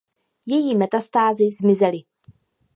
Její metastázy zmizely.